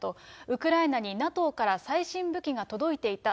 ウクライナにＮＡＴＯから最新武器が届いていた。